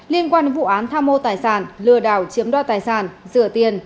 liên quan vụ án tham mô tài sản lừa đảo chiếm đo tài sản rửa tiền